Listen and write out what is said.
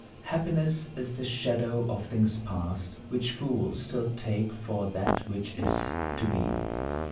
Happiness is the shadow of things past, Which fools still take for that which is to be!